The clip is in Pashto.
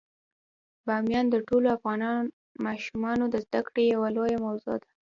بامیان د ټولو افغان ماشومانو د زده کړې یوه لویه موضوع ده.